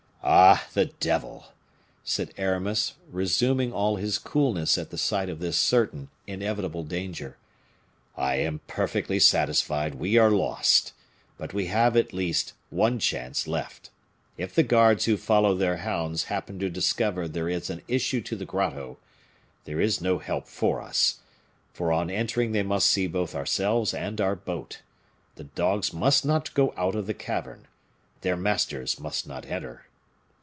"Ah! the devil!" said Aramis, resuming all his coolness at the sight of this certain, inevitable danger. "I am perfectly satisfied we are lost, but we have, at least, one chance left. If the guards who follow their hounds happen to discover there is an issue to the grotto, there is no help for us, for on entering they must see both ourselves and our boat. The dogs must not go out of the cavern. Their masters must not enter."